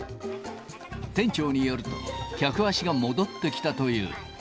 店長によると、客足が戻ってきたという。